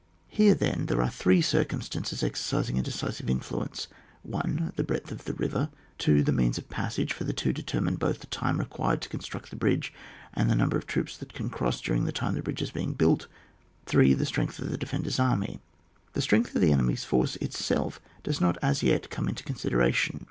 Here, then, there are three circum stances exercising a decisive influence : (1) the breadth of the river; (2) the means of passage, for the two determine both the dme required to construct the bridge, and the number of troops that can cross during the time the bridge is being built; (3) the strength of the defender's army. The strength of the enemy's force itself does not as yet come into consideration.